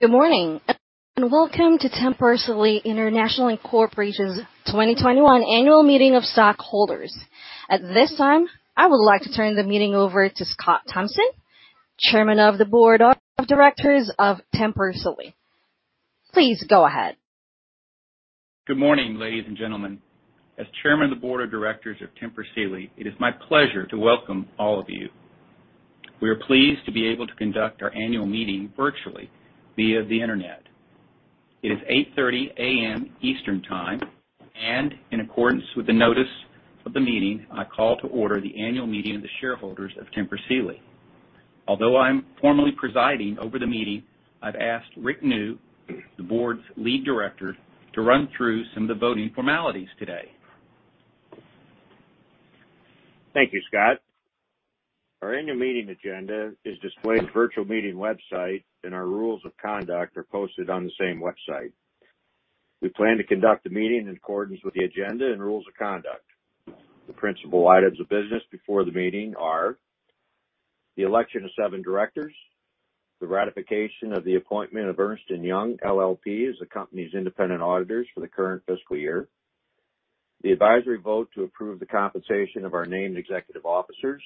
Good morning, welcome to Tempur Sealy International, Inc.'s 2021 annual meeting of stockholders. At this time, I would like to turn the meeting over to Scott Thompson, Chairman of the Board of Directors of Tempur Sealy. Please go ahead. Good morning, ladies and gentlemen. As Chairman of the Board of Directors of Tempur Sealy, it is my pleasure to welcome all of you. We are pleased to be able to conduct our annual meeting virtually via the internet. It is 8:30 A.M. Eastern time, and in accordance with the notice of the meeting, I call to order the annual meeting of the shareholders of Tempur Sealy. Although I'm formally presiding over the meeting, I've asked Richard W. Neu, the Board's Lead Director, to run through some of the voting formalities today. Thank you, Scott. Our annual meeting agenda is displayed on the virtual meeting website, and our rules of conduct are posted on the same website. We plan to conduct the meeting in accordance with the agenda and rules of conduct. The principal items of business before the meeting are the election of seven directors, the ratification of the appointment of Ernst & Young LLP as the company's independent auditors for the current fiscal year, the advisory vote to approve the compensation of our named executive officers,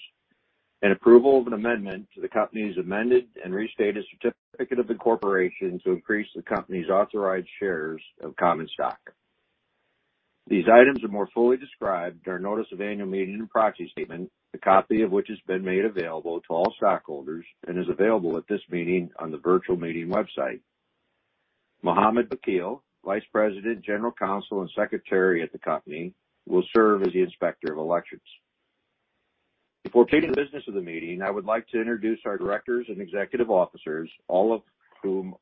and approval of an amendment to the company's amended and restated certificate of incorporation to increase the company's authorized shares of common stock. These items are more fully described in our notice of annual meeting and proxy statement, a copy of which has been made available to all stockholders and is available at this meeting on the virtual meeting website. Mohammed Vakil, Vice President, General Counsel, and Secretary at the company, will serve as the Inspector of Elections. Before taking the business of the meeting, I would like to introduce our directors and executive officers, all of whom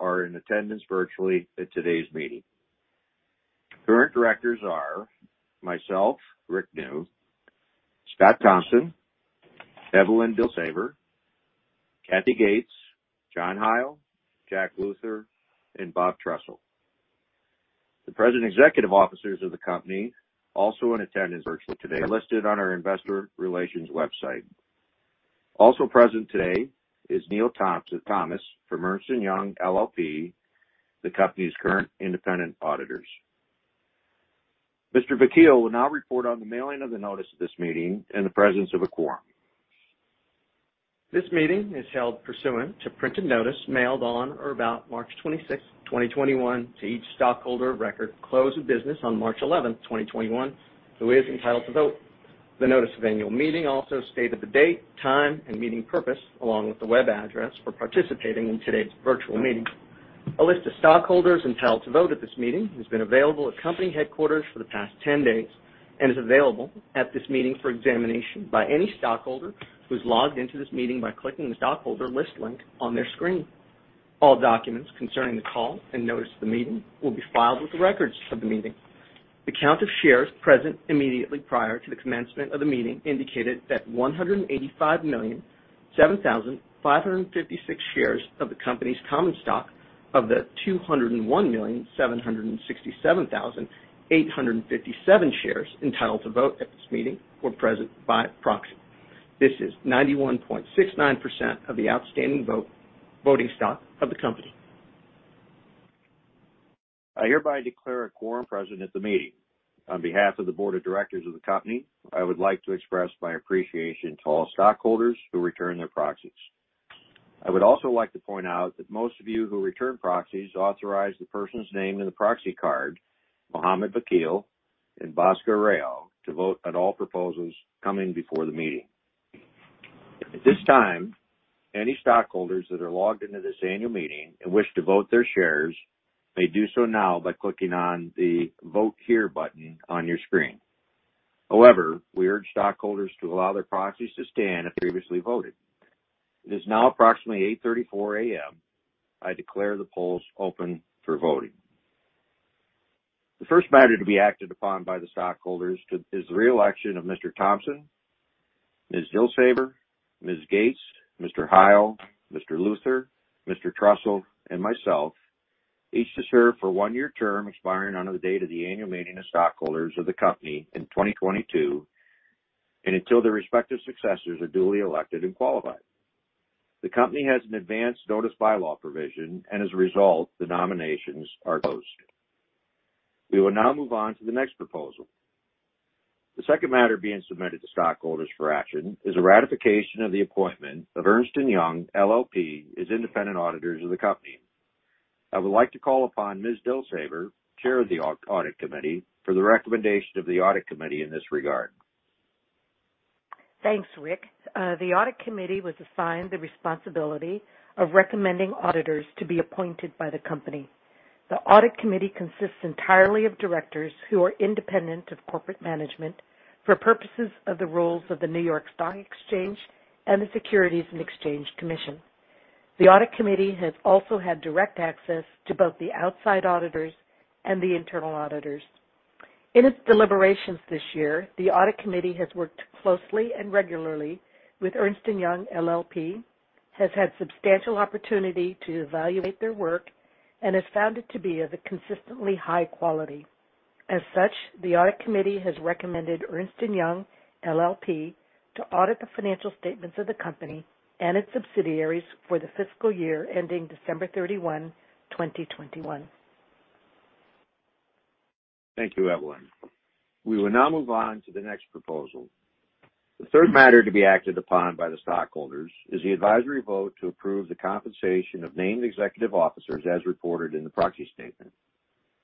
are in attendance virtually at today's meeting. Current directors are myself, Richard W. Neu, Scott Thompson, Evelyn Dilsaver, Kathy Gates, John Heil, Jon Luther, and Robert Trussell. The present executive officers of the company also in attendance virtually today are listed on our investor relations website. Also present today is Neil Thomas from Ernst & Young LLP, the company's current independent auditors. Mr. Vakil will now report on the mailing of the notice of this meeting and the presence of a quorum. This meeting is held pursuant to printed notice mailed on or about March 26th, 2021, to each stockholder of record close of business on March 11th, 2021, who is entitled to vote. The notice of annual meeting also stated the date, time, and meeting purpose, along with the web address for participating in today's virtual meeting. A list of stockholders entitled to vote at this meeting has been available at company headquarters for the past 10 days and is available at this meeting for examination by any stockholder who's logged into this meeting by clicking the stockholder list link on their screen. All documents concerning the call and notice of the meeting will be filed with the records of the meeting. The count of shares present immediately prior to the commencement of the meeting indicated that 185,007,556 shares of the company's common stock of the 201,767,857 shares entitled to vote at this meeting were present by proxy. This is 91.69% of the outstanding voting stock of the company. I hereby declare a quorum present at the meeting. On behalf of the board of directors of the company, I would like to express my appreciation to all stockholders who returned their proxies. I would also like to point out that most of you who returned proxies authorized the persons named in the proxy card, Mo Vakil and Bhaskar Rao, to vote at all proposals coming before the meeting. At this time, any stockholders that are logged into this annual meeting and wish to vote their shares may do so now by clicking on the Vote Here button on your screen. However, we urge stockholders to allow their proxies to stand if previously voted. It is now approximately 8:34 A.M. I declare the polls open for voting. The first matter to be acted upon by the stockholders is the reelection of Mr. Thompson, Ms. Dilsaver, Ms. Gates, Mr. Heil, Mr. Luther, Mr. Trussell, and myself, each to serve for one-year term expiring on the date of the annual meeting of stockholders of the company in 2022 and until their respective successors are duly elected and qualified. The company has an advanced notice bylaw provision and, as a result, the nominations are posted. We will now move on to the next proposal. The second matter being submitted to stockholders for action is a ratification of the appointment of Ernst & Young LLP as independent auditors of the company. I would like to call upon Ms. Dilsaver, Chair of the Audit Committee, for the recommendation of the Audit Committee in this regard. Thanks, Rick. The Audit Committee was assigned the responsibility of recommending auditors to be appointed by the company. The Audit Committee consists entirely of directors who are independent of corporate management for purposes of the rules of the New York Stock Exchange and the Securities and Exchange Commission. The Audit Committee has also had direct access to both the outside auditors and the internal auditors. In its deliberations this year, the Audit Committee has worked closely and regularly with Ernst & Young LLP, has had substantial opportunity to evaluate their work, and has found it to be of a consistently high quality. As such, the Audit Committee has recommended Ernst & Young LLP to audit the financial statements of the company and its subsidiaries for the fiscal year ending December 31, 2021. Thank you, Evelyn. We will now move on to the next proposal. The third matter to be acted upon by the stockholders is the advisory vote to approve the compensation of named executive officers as reported in the proxy statement.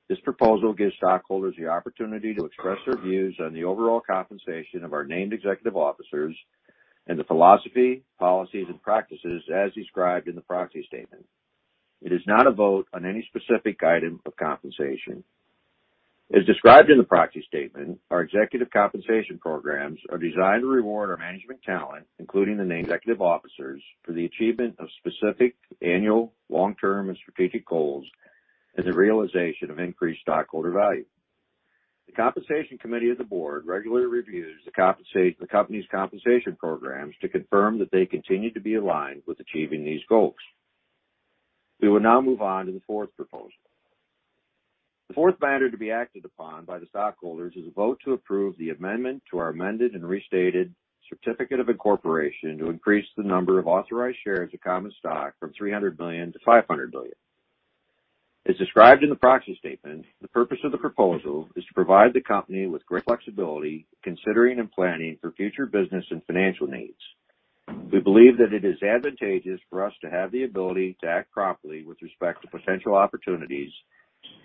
This proposal gives stockholders the opportunity to express their views on the overall compensation of our named executive officers and the philosophy, policies, and practices as described in the proxy statement. It is not a vote on any specific item of compensation. As described in the proxy statement, our executive compensation programs are designed to reward our management talent, including the named executive officers, for the achievement of specific annual long-term and strategic goals and the realization of increased stockholder value. The compensation committee of the board regularly reviews the company's compensation programs to confirm that they continue to be aligned with achieving these goals. We will now move on to the fourth proposal. The fourth matter to be acted upon by the stockholders is a vote to approve the amendment to our amended and restated certificate of incorporation to increase the number of authorized shares of common stock from 300 million-500 million. As described in the proxy statement, the purpose of the proposal is to provide the company with great flexibility in considering and planning for future business and financial needs. We believe that it is advantageous for us to have the ability to act properly with respect to potential opportunities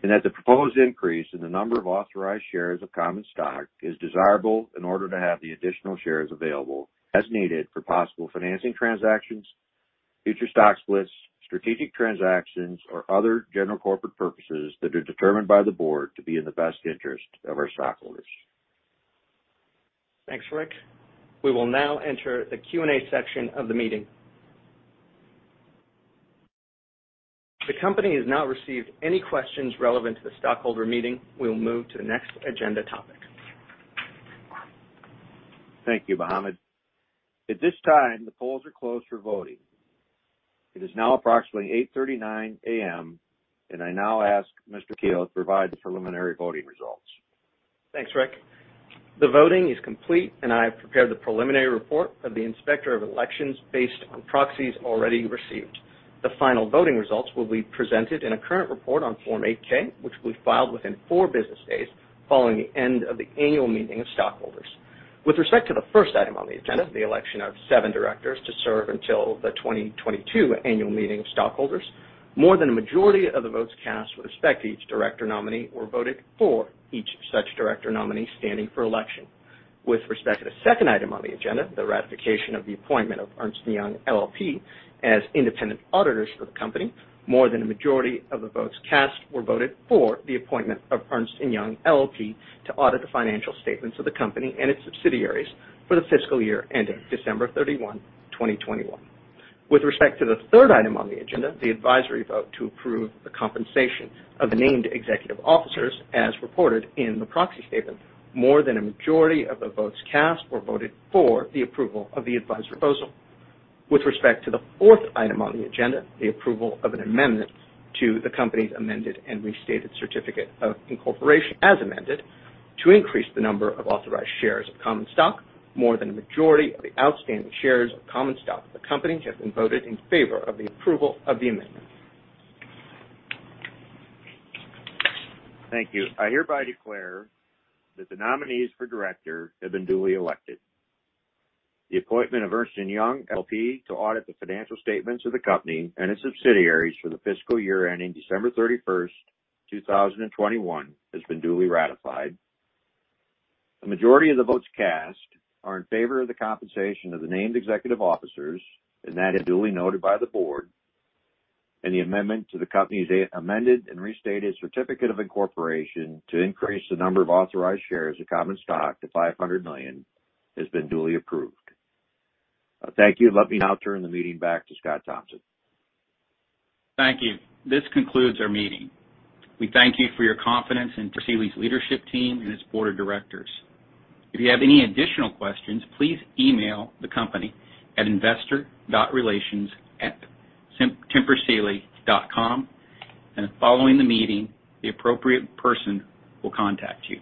and that the proposed increase in the number of authorized shares of common stock is desirable in order to have the additional shares available as needed for possible financing transactions, future stock splits, strategic transactions, or other general corporate purposes that are determined by the board to be in the best interest of our stockholders. Thanks, Rick. We will now enter the Q&A section of the meeting. The company has not received any questions relevant to the stockholder meeting. We will move to the next agenda topic. Thank you, Mohammed. At this time, the polls are closed for voting. It is now approximately 8:39 A.M., and I now ask Mr. Keough to provide the preliminary voting results. Thanks, Richard W. Neu. The voting is complete, and I have prepared the preliminary report of the Inspector of Elections based on proxies already received. The final voting results will be presented in a current report on Form 8-K, which will be filed within four business days following the end of the annual meeting of stockholders. With respect to the first item on the agenda, the election of seven directors to serve until the 2022 annual meeting of stockholders, more than a majority of the votes cast with respect to each director nominee were voted for each such director nominee standing for election. With respect to the second item on the agenda, the ratification of the appointment of Ernst & Young LLP as independent auditors for the company, more than a majority of the votes cast were voted for the appointment of Ernst & Young LLP to audit the financial statements of the company and its subsidiaries for the fiscal year ending December 31, 2021. With respect to the third item on the agenda, the advisory vote to approve the compensation of the named executive officers as reported in the proxy statement, more than a majority of the votes cast were voted for the approval of the advised proposal. With respect to the fourth item on the agenda, the approval of an amendment to the company's amended and restated certificate of incorporation, as amended, to increase the number of authorized shares of common stock, more than a majority of the outstanding shares of common stock of the company have been voted in favor of the approval of the amendment. Thank you. I hereby declare that the nominees for director have been duly elected. The appointment of Ernst & Young LLP to audit the financial statements of the company and its subsidiaries for the fiscal year ending December 31st, 2021, has been duly ratified. The majority of the votes cast are in favor of the compensation of the named executive officers, and that is duly noted by the board, and the amendment to the company's amended and restated certificate of incorporation to increase the number of authorized shares of common stock to 500 million has been duly approved. Thank you. Let me now turn the meeting back to Scott Thompson. Thank you. This concludes our meeting. We thank you for your confidence in Tempur Sealy's leadership team and its board of directors. If you have any additional questions, please email the company at investor.relations@tempursealy.com, and following the meeting, the appropriate person will contact you.